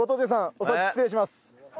お先失礼します。